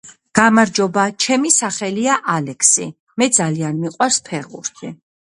გამარჯობა ჩემი სახელია ალექსი მე ძალიან მიყვარს ფეხბურთი